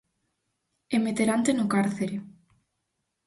E meterante no cárcere!